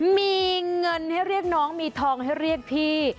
มีเงินให้เรียกน้องมีทองให้เรียกพี่